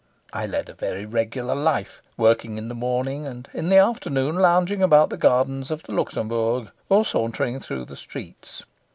I led a very regular life, working in the morning, and in the afternoon lounging about the gardens of the Luxembourg or sauntering through the streets.